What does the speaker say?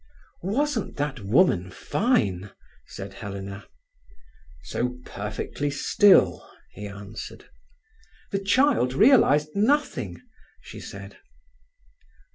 "Wasn't that woman fine!" said Helena. "So perfectly still," he answered. "The child realized nothing," she said.